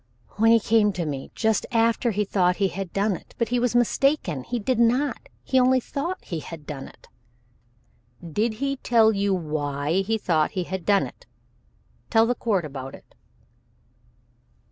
"When he came to me, just after he thought he had done it but he was mistaken he did not he only thought he had done it." "Did he tell you why he thought he had done it? Tell the court all about it."